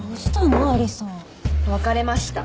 別れました。